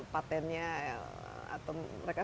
patentnya atau mereka